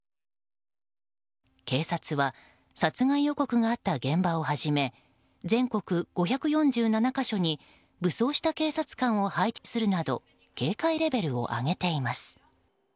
警察は殺害予告があった現場をはじめ全国５４７か所に武装した警察官を配置するなど警戒レベルを上げています。